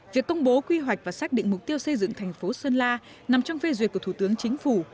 việc công bố quy hoạch và xác định mục tiêu xây dựng thành phố sơn la nằm trong phê duyệt của thủ tướng chính phủ